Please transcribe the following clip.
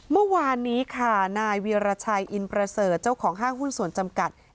เมื่อวานนี้ค่ะนายเวียรชัยอินประเสริฐเจ้าของห้างหุ้นส่วนจำกัด